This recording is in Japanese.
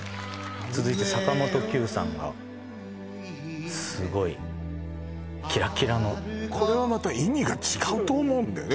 続いて坂本九さんがすごいキラキラのこれはまた意味が違うと思うんだよね